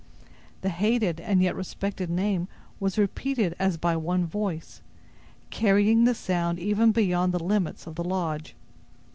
The hated and yet respected name was repeated as by one voice, carrying the sound even beyond the limits of the lodge.